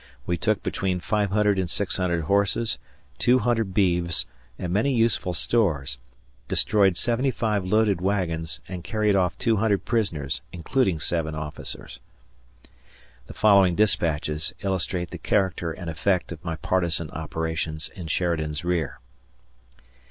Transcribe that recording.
We took between 500 and 600 horses, 200 beeves, and many useful stores; destroyed seventy five loaded wagons, and carried off 200 prisoners, including seven officers. The following dispatches illustrate the character and effect of my partisan operations in Sheridan's rear.